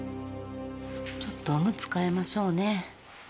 ちょっとオムツ替えましょうね。